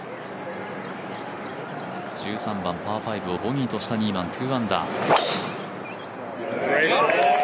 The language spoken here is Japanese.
１３番パー５をボギーとしたニーマン、２アンダー。